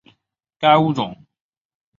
该物种的模式产地在甘肃临潭。